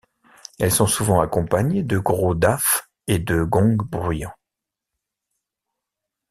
Elles sont souvent accompagnées de gros dafs et de gongs bruyants.